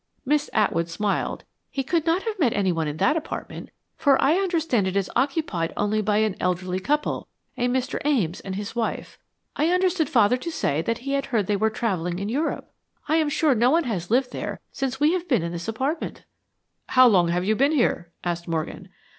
Miss Atwood smiled. "He could not have meant anyone in that apartment, for I understand it is occupied only by an elderly couple, a Mr. Ames and his wife. I understood father to say that he had heard they were traveling in Europe. I am sure no one has lived there since we have been in this apartment." "How long have you been here?" asked Morgan.